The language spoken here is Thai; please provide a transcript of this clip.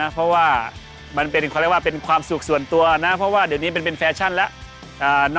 เพราะว่ามันเป็นความสุขส่วนตัวนะเพราะว่าเดี๋ยวนี้เป็นแฟชั่นแล้ว